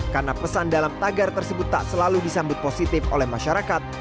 karena pesan dalam tagar tersebut tak selalu disambut positif oleh masyarakat